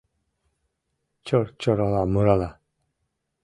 Чор-чорола мурала